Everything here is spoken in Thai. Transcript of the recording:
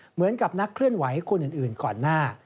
เหมือนกับนักเคลื่อนไหวคนอื่นก่อนหน้า